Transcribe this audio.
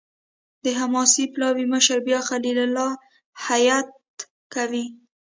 د حماس پلاوي مشري بیا خلیل الحية کوي.